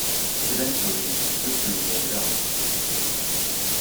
Eventually the two made up.